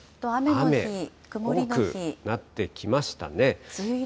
雨の日、多くなってきましたね。